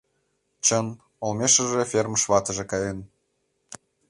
Чын, олмешыже фермыш ватыже каен.